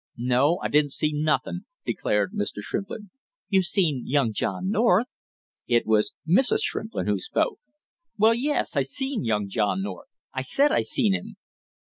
"No, I didn't see nothing," declared Mr. Shrimplin. "You seen young John North." It was Mrs. Shrimplin who spoke. "Well, yes, I seen young John North I said I seen him!"